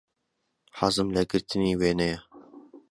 حەزم لە گرتنی وێنەیە.